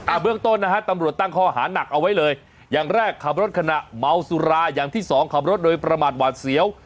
เบื้องต้นนะฮะตำรวจตั้งข้อหานักเอาไว้เลยอย่างแรกขับรถขณะเมาสุราอย่างที่สองขับรถโดยประมาทหวาดเสียว